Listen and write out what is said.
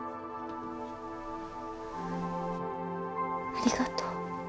ありがとう。